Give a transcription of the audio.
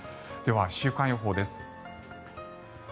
では、週間予報です。